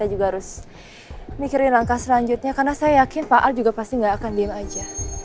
carry langkah selanjutnya karena saya yakin pak al juga pasti gak akan diem aja